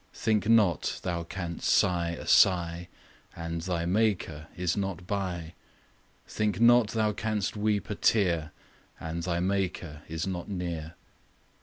Think not thou canst sigh a sigh, And thy Maker is not by; Think not thou canst weep a tear, And thy Maker is not near.